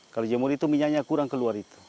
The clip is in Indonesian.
kalau dijemur itu minyaknya kurang keluar